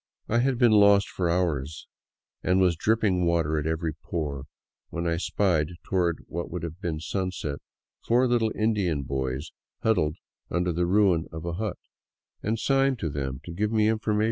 I had been lost for hours, and was dripping water at every pore, when I spied, toward what would have been sunset, four little Indian boys huddled under the ruin of a hut, and signed to them to give me information.